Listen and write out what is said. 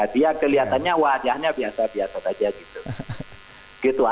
dia kelihatannya wajahnya biasa biasa saja gitu